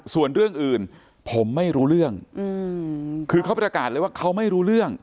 ส่วนเรื่องอื่นผมไม่รู้เรื่องคือเขาประกาศเลยว่าเขาไม่รู้เรื่อง